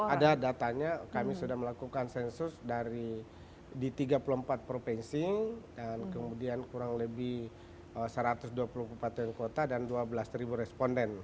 ada datanya kami sudah melakukan sensus di tiga puluh empat provinsi dan kemudian kurang lebih satu ratus dua puluh empat dan kota dan dua belas responden